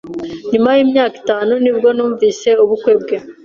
Nyuma yimyaka itanu nibwo numvise ubukwe bwe.